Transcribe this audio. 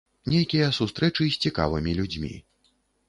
Нейкія сустрэчы з цікавымі людзьмі.